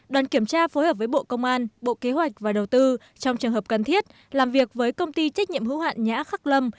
đoàn kiểm tra phối hợp với bộ công an bộ kế hoạch và đầu tư trong trường hợp cần thiết làm việc với công ty trách nhiệm hữu hạn nhã khắc lâm